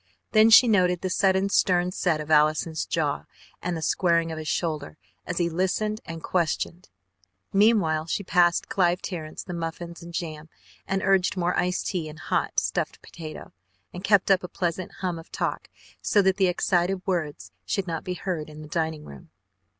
Then she noted the sudden stern set of Allison's jaw and the squaring of shoulder as he listened and questioned. Meanwhile she passed Clive Terrence the muffins and jam, and urged more iced tea and a hot, stuffed potato, and kept up a pleasant hum of talk so that the excited words should not be heard in the dining room.